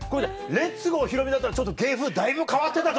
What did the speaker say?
レッツゴーひろみだったら芸風だいぶ変わってた。